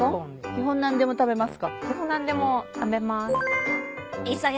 基本何でも食べます。